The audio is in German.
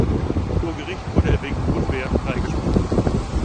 Vor Gericht wurde er wegen Notwehr freigesprochen.